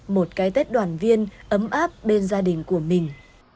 một cái tết đoàn viên ấm áp bên gia đình của mình